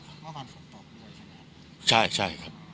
วันวันฝนตกด้วยใช่ไหมครับ